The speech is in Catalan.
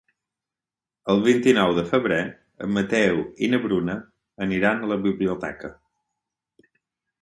El vint-i-nou de febrer en Mateu i na Bruna aniran a la biblioteca.